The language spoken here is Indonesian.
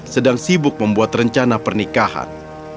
sedang sibuk membuat rencana pernikahan